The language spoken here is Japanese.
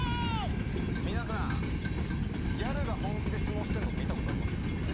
皆さんギャルが本気で相撲してんの見たことあります？